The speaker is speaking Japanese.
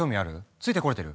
ついてこれてる？